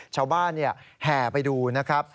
ชาวบ้านแห่ไปดูนะครับ